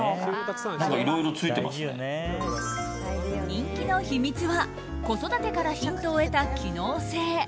人気の秘密は子育てからヒントを得た機能性。